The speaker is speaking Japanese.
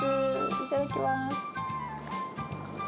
いただきます。